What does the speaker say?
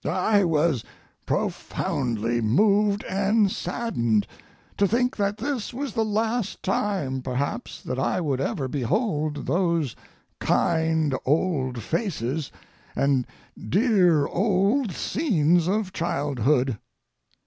I was profoundly moved and saddened to think that this was the last time, perhaps, that I would ever behold those kind old faces and dear old scenes of childhood.